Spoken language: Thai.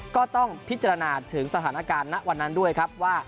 ก็ต้องพิจารณาถึงสถานการณ์ณวันนั้นด้วยครับว่า